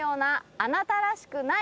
「あなたらしくない」。